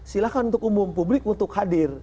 silahkan untuk umum publik untuk hadir